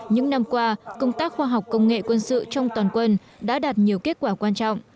những năm qua công tác khoa học công nghệ quân sự trong toàn quân đã đạt nhiều kết quả quan trọng